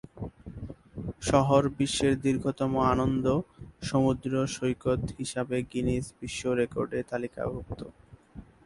শহর বিশ্বের দীর্ঘতম আনন্দ সমুদ্র সৈকত হিসাবে গিনেস বিশ্ব রেকর্ডে তালিকাভুক্ত।